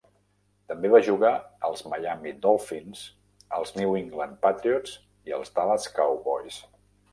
També va jugar als Miami Dolphins, als New England Patriots i als Dallas Cowboys.